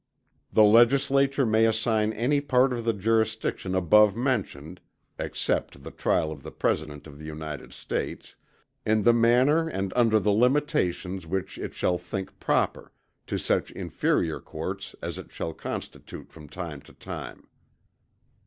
The Legislature may assign any part of the jurisdiction above mentioned (except the trial of the President of the United States) in the manner and under the limitations which it shall think proper, to such Inferior Courts as it shall constitute from time to time.